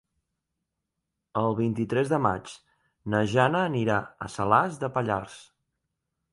El vint-i-tres de maig na Jana anirà a Salàs de Pallars.